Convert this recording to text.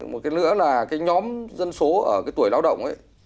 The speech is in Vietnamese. một cái nữa là nhóm dân số ở tuổi lao động